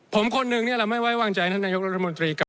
ผมคนหนึ่งเราไม่ไว้วางใจท่านนายกรัฐมนตรีกับ